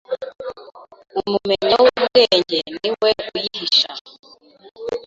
Umumenya w'ubwenge ni we uyihisha